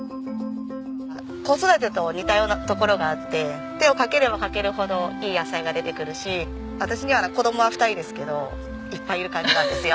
子育てと似たようなところがあって手をかければかけるほどいい野菜が出てくるし私には子供は２人ですけどいっぱいいる感じなんですよ。